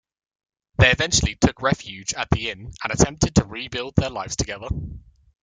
They eventually took refuge at the Inn and attempted to rebuild their lives together.